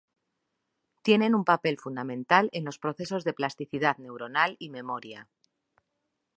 Tienen un papel fundamental en los procesos de plasticidad neuronal y memoria.